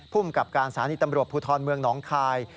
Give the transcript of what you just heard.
ภูมิกับการสถานีตำรวจภูทรเมืองหนองคาย